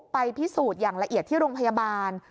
ไปพิสูจน์อย่างละเอียดที่โรงพยาบาล